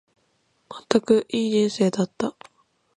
まったく、いい人生だった。